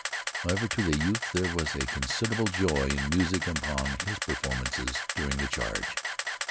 However, to the youth there was a considerable joy in musing upon his performances during the charge.